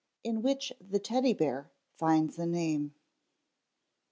_In Which the Teddy Bear Finds a Name.